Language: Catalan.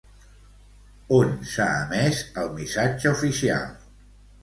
On s'ha emès el missatge oficial?